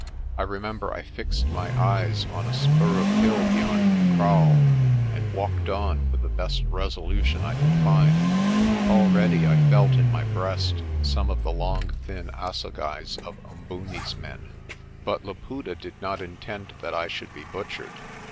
I re member I fixed my eyes on a spur of hill beyond the kraal, and walked on with the best resolution I could find. Already I felt in my breast some of the long thin assegais of Um booni's men. But Laputa did not intend that I should be butchered.